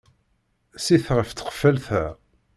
Sit ɣef tqeffalt-a.